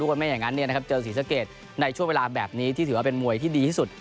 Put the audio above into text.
ดูว่าไม่อย่างนั้นเนี่ยนะครับเจอสีสเกจในช่วงเวลาแบบนี้ที่ถือว่าเป็นมวยที่ดีที่สุด